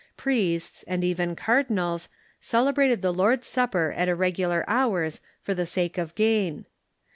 Priests, and even cardinals, celebrated the Lord's Supper at irregular hours for the sake of gain.